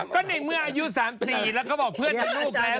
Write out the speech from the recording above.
ก็ในเมื่ออายุ๓๔แล้วก็บอกเพื่อนกับลูกแล้ว